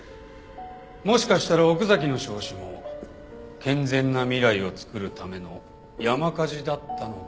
もしかしたら奥崎の焼死も健全な未来を作るための山火事だったのかもしれないね。